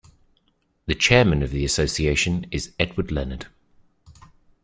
The chairman of the association is Edward Lennard.